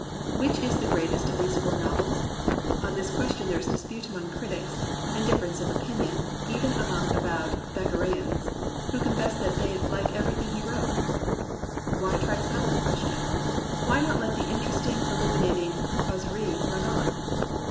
Which is the great est of these four novels ? On this question there is dispute among critics, and difference of opinion, even among avowed Thackerayans, who confess that they "Hke everything he wrote." Why try to settle the question.'* WTiy not let the interesting, illu minating causerie run on?